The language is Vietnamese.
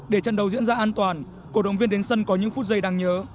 để trận đấu diễn ra an toàn cổ động viên đến sân có những phút giây đáng nhớ